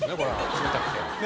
冷たくて。